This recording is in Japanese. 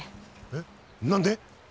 えっ何で？